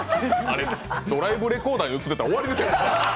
あれ、ドライブレコーダーに映ってたら終わりっすよ。